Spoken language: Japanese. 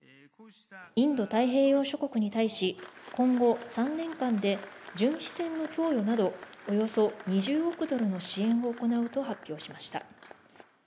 インド太平洋諸国に対し、今後、３年間で巡視船の供与など、およそ２０億ドルの支援を行うと発表しました。